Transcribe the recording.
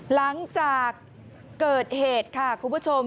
หลังจากเกิดเหตุค่ะคุณผู้ชม